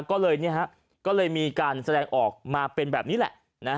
ก็เลยมีการแสดงออกมาเป็นแบบนี้แหละ